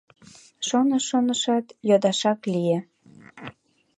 Шоныш-шонышат, йодашак лие: